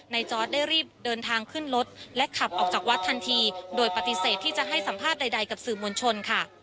จอร์ดได้รีบเดินทางขึ้นรถและขับออกจากวัดทันทีโดยปฏิเสธที่จะให้สัมภาษณ์ใดกับสื่อมวลชนค่ะ